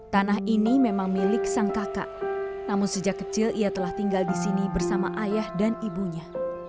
tanah ini memang milik sang kakak namun sejak kecil ia telah tinggal di sini bersama ayah dan ibunya